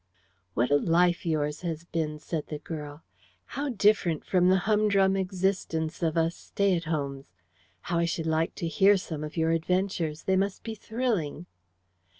"What a life yours has been!" said the girl. "How different from the humdrum existence of us stay at homes! How I should like to hear some of your adventures. They must be thrilling."